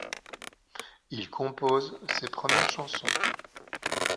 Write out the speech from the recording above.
Il compose ses premières chansons.